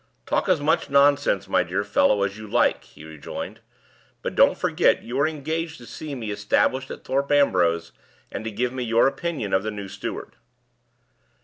Talk as much nonsense, my dear fellow, as you like," he rejoined, "but don't forget that you are engaged to see me established at Thorpe Ambrose, and to give me your opinion of the new steward."